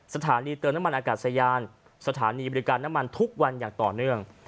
สถานีเติมน้ำมันอากาศยานสถานีบริการน้ำมันทุกวันอย่างต่อเนื่อง